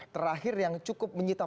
terakhir yang cukup menyita